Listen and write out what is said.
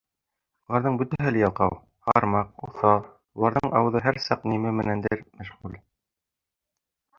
Уларҙың бөтәһе лә ялҡау, һармаҡ, уҫал, уларҙың ауыҙы һәр саҡ ни менәндер мәшғүл.